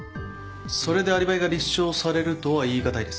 それでアリバイが立証されるとは言い難いです。